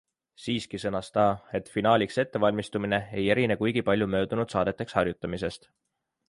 Siiski sõnas ta, et finaaliks ettevalmistumine ei erine kuigi palju möödunud saadeteks harjutamisest.